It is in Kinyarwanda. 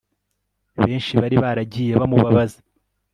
benshi bari baragiye bamubabaza